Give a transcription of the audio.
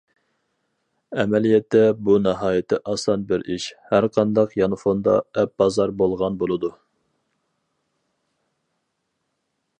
ئەمەلىيەتتە بۇ ناھايىتى ئاسان بىر ئىش، ھەرقانداق يانفوندا ئەپ بازار بولغان بولىدۇ.